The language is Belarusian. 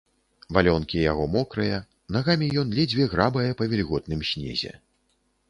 Валёнкі яго мокрыя, нагамі ён ледзьве грабае па вільготным снезе.